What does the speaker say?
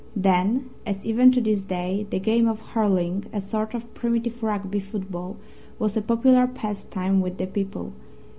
Then, as even to this day, the game of Hurling a sort of primitive Rugby football was a popular pastime with the people.